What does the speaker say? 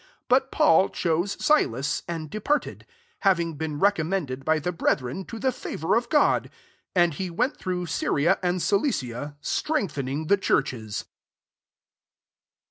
40 But Paul chose Silas, and departed ; having been re commended by the brethren to the favour of God. 41 And he went through Syria andCihcia^ strengthening the churches.